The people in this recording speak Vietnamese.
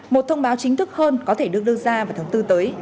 một thông báo chính thức hơn có thể được đưa ra vào tháng bốn tới